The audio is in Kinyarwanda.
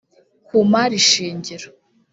ku mari shingiro